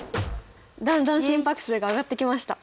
だんだん心拍数が上がってきました。